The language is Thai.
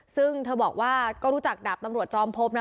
ซึ่งเธอบอกว่าก็รู้จักดาบตำรวจจอมพบนะ